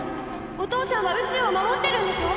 お父さんは宇宙を守ってるんでしょ？